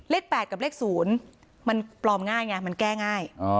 ๘กับเลข๐มันปลอมง่ายไงมันแก้ง่าย